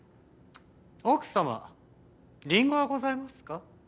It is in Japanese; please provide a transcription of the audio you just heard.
奥様リンゴはございますか？